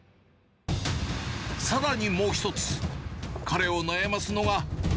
さらにもう一つ、彼を悩ますのが。